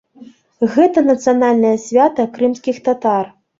Гэта нацыянальнае свята крымскіх татар.